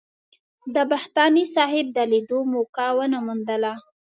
د بختاني صاحب د لیدو موقع ونه موندله.